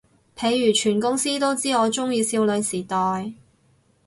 譬如全公司都知我鍾意少女時代